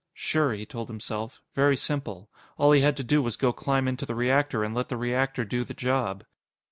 Sure, he told himself. Very simple. All he had to do was go climb into the reactor, and let the reactor do the job.